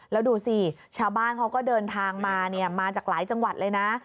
แล้วดูสิชาวบ้านเขาก็เดินทางมามาจากหลายจังหวัดเลยนะ